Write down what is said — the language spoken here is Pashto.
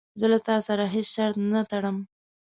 زه له تا سره هیڅ شرط نه ټړم.